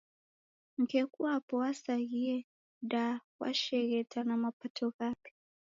Mkeku wape wasaghie da washeng’eta na mapato ghape!